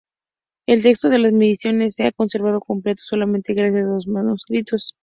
El texto de las "Meditaciones" se ha conservado completo solamente gracias a dos manuscritos.